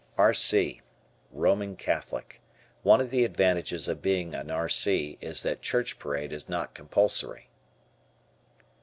R. C. Roman Catholic. One of the advantages of being a R.C. is that "Church Parade" is not compulsory.